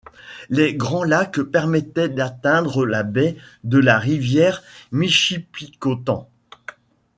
Les Grands Lacs permettaient d'atteindre la baie de la rivière Michipicoten.